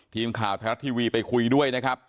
ทีมข่าวไทยรัฐทีวีไปคุยด้วยนะครับ